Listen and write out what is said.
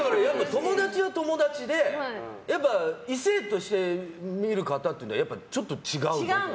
友達は友達で異性として見る方はちょっと違うもん。